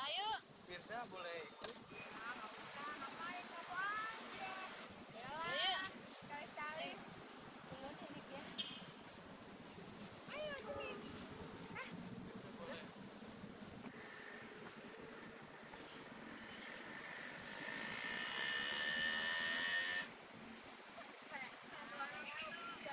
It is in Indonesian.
ya silahkan saja